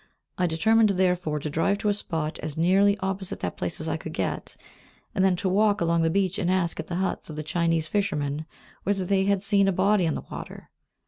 I determined, therefore, to drive to a spot as nearly opposite that place as I could get, and then to walk along the beach, and ask at the huts of the Chinese fishermen whether they had seen a body in the water.